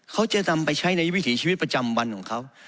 เขาจะนำไปใช้ในวิถีชีวิตประจำวันของเขา